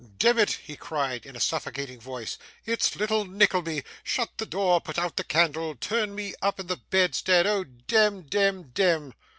'Demmit,' he cried, in a suffocating voice, 'it's little Nickleby! Shut the door, put out the candle, turn me up in the bedstead! Oh, dem, dem, dem!